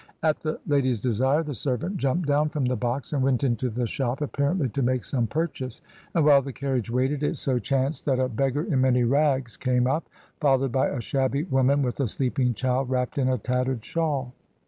At the lady's desire the servant jumped down from the box and went Mrs, Dymond. J. 1 4 2IO MRS. DYMOND. into the shop, apparently to make some purchase, and, while the carriage waited, it so chanced that a beggar in many rags came up, followed by a shabby woman with a sleeping child wrapped in a tattered shawl.